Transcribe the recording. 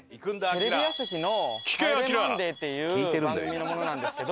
テレビ朝日の『帰れマンデー』っていう番組の者なんですけど。